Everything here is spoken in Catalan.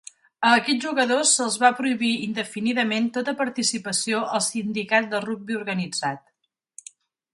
A aquests jugadors se'ls va prohibir indefinidament tota participació al sindicat de rugbi organitzat.